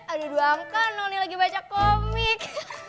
aduh duang kan lo nih lagi baca komik